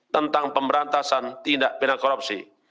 tentang pemberantasan tindak pindah korupsi